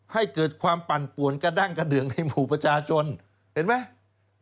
ให้เกิดความปั่นป่วนกระดั้งกระเดืองในหมู่ประชาชนเห็นไหม